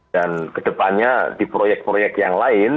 dan kedepannya di proyek proyek yang lain